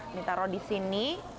ini taruh di sini